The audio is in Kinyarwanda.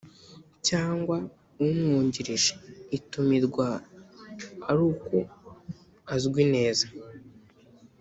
cyangwa Umwungirije itumirwa ari uko azwi neza